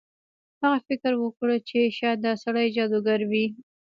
هغه فکر وکړ چې شاید دا سړی جادوګر وي.